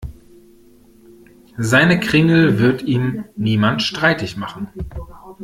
Seine Kringel wird ihm niemand streitig machen.